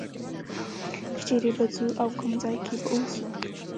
چې چېرې به ځو او کوم ځای کې به اوسو.